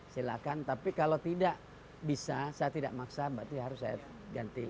silahkan tapi kalau tidak bisa saya tidak maksa berarti harus saya ganti